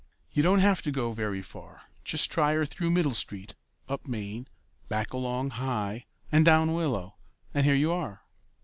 "You don't have to go very far; just try her through Middle Street, up Main, back along High, and down Willow, and here you are."